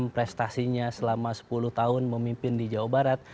dua ratus lima puluh enam prestasinya selama sepuluh tahun memimpin di jawa barat